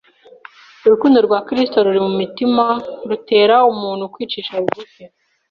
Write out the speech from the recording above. Urukundo rwa Kristo ruri mu mutima rutera umuntu kwicisha bugufi